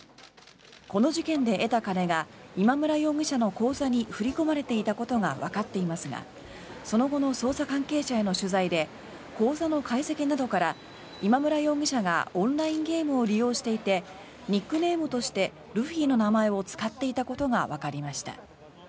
この事件で得た金が今村容疑者の口座に振り込まれていたことがわかっていますがその後の捜査関係者への取材で口座の解析などから今村容疑者がオンラインゲームを利用していてニックネームとしてルフィの名前を使っていたことがわかりました。